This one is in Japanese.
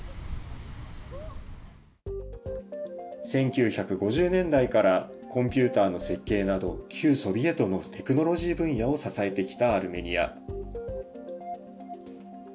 １９５０年代からコンピューターの設計など、旧ソビエトのテクノロジー分野を支えてきたアルメニア。